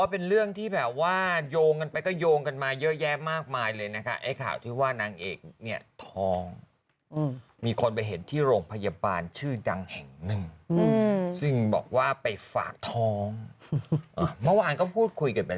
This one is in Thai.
เป็นเรื่องที่แบบว่าโยงกันไปก็โยงกันมาเยอะแยะมากมายเลยนะคะไอ้ข่าวที่ว่านางเอกเนี่ยท้องมีคนไปเห็นที่โรงพยาบาลชื่อดังแห่งหนึ่งซึ่งบอกว่าไปฝากท้องเมื่อวานก็พูดคุยกันไป